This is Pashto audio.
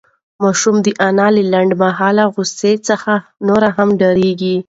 ماشوم د انا له لنډمهاله غوسې څخه نور نه ډارېده.